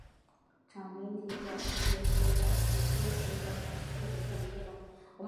长柄铁角蕨为铁角蕨科铁角蕨属下的一个种。